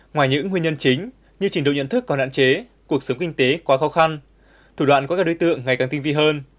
ngoài những nguyên nhân chính như trình độ nhận thức còn hạn chế cuộc sống kinh tế quá khó khăn thủ đoạn của các đối tượng ngày càng tinh vi hơn